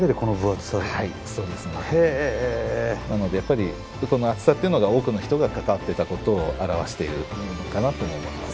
なのでやっぱりこの厚さっていうのが多くの人が関わっていたことを表しているのかなとも思います。